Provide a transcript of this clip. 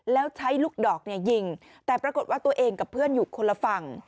แล้วใช้ลูกดอกเนี่ยยิงแต่ปรากฏว่าตัวเองกับเพื่อนอยู่คนละฝั่ง